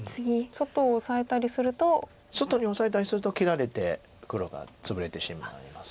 外にオサえたりすると切られて黒がツブれてしまいます。